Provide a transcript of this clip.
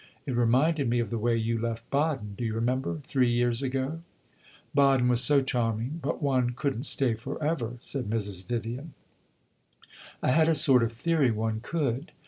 It reminded me of the way you left Baden do you remember? three years ago." "Baden was so charming but one could n't stay forever," said Mrs. Vivian. "I had a sort of theory one could.